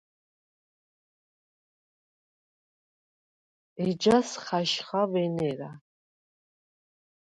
ეჯას ხაჟხა ვენერა.